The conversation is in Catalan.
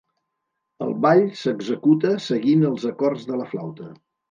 El ball s'executa seguint els acords de la flauta.